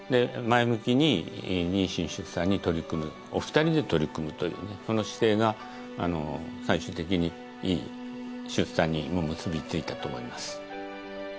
前向きに妊娠出産に取り組むお二人で取り組むというねその姿勢が最終的にいい出産にも結びついたと思います。